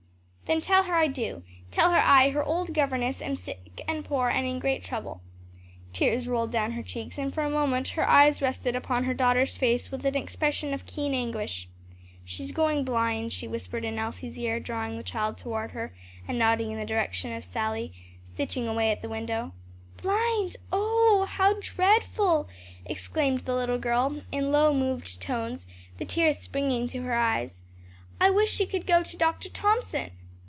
"Then tell her I do; tell her I, her old governess, am sick and poor and in great trouble." Tears rolled down her cheeks and for a moment her eyes rested upon her daughter's face with an expression of keen anguish. "She's going blind," she whispered in Elsie's ear, drawing the child toward her, and nodding in the direction of Sally, stitching away at the window. "Blind! oh how dreadful!" exclaimed the little girl in low moved tones, the tears springing to her eyes. "I wish she could go to Doctor Thomson."